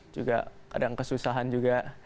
juga kadang kesusahan juga